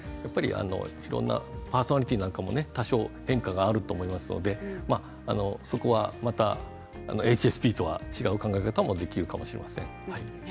いろいろパーソナリティーも多少変化があると思いますのでＨＳＰとは違う考え方もできるかもしれません。